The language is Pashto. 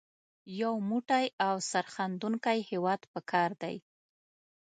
یو موټی او سرښندونکی ولس په کار دی.